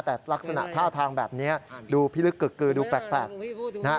แต่ลักษณะท่าทางแบบนี้ดูพิลึกกึกกือดูแปลกนะฮะ